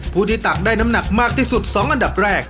ผู้ที่ตักได้น้ำหนักมากที่สุด๒อันดับแรก